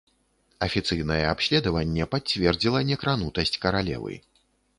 Афіцыйнае абследаванне пацвердзіла некранутасць каралевы.